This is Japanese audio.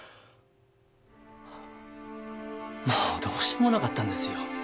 もうどうしようもなかったんですよ